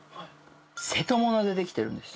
瀬戸物でできてるんです。